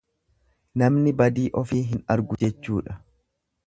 Namni badii ofi hin argu jechuudha.